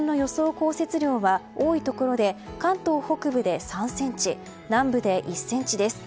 降雪量は多いところで関東北部で３ｃｍ南部で１ｃｍです。